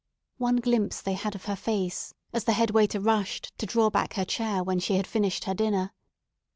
One glimpse they had of her face as the head waiter rushed to draw back her chair when she had finished her dinner.